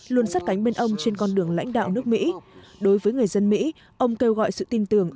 luôn sát cánh bên ông trên con đường lãnh đạo nước mỹ đối với người dân mỹ ông kêu gọi sự tin tưởng